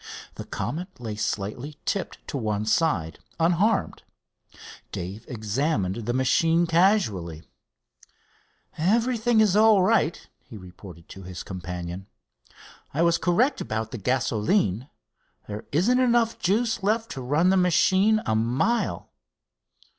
The Comet lay slightly tipped to one side, unharmed. Dave examined the machine casually. "Everything is all right," he reported to his companion. "I was correct about the gasoline. There isn't enough juice left to run the machine a mile."